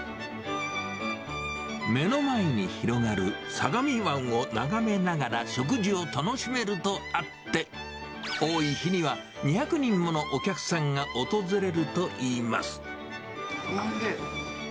目の前に広がる相模湾をながめながら食事を楽しめるとあって、多い日には２００人ものお客さんおいしい。